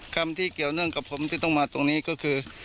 กรรมที่เกี่ยวเนื่องกับผมที่ต้องมาตรงนี้ก็คือ